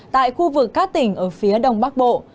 tại khu vực các tỉnh ở phía đông bắc bộ